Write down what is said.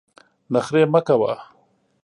نخرې مه کوه !